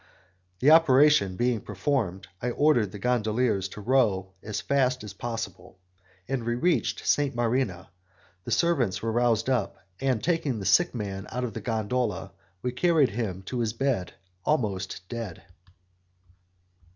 The operation being performed, I ordered the gondoliers to row as fast as possible, and we soon reached St. Marina; the servants were roused up, and taking the sick man out of the gondola we carried him to his bed almost dead.